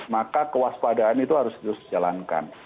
maka kewaspadaan itu harus terus dijalankan